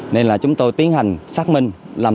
nên là chúng tôi tiến hành xác minh